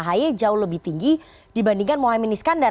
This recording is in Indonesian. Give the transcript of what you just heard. elektabilitasnya mas ahy jauh lebih tinggi dibandingkan mohamad niskandar